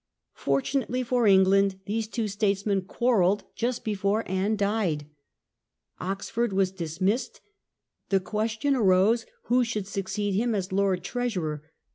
Fortunately for England these two states men quarrelled just before Anne died. Oxford was dis missed. The question arose who should succeed him as Lord Treasurer.